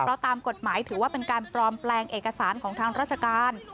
เพราะตามกฎหมายถือว่าเป็นการปลอมแปลงเอกสารของทางราชการ